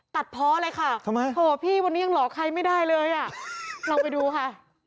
เพาะเลยค่ะทำไมโหพี่วันนี้ยังหลอกใครไม่ได้เลยอ่ะลองไปดูค่ะ